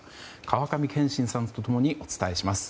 川上憲伸さんと共にお伝えします。